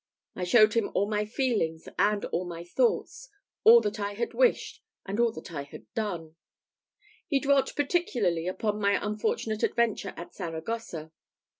I showed him all my feelings, and all my thoughts all that I had wished, and all that I had done. He dwelt particularly upon my unfortunate adventure at Saragossa.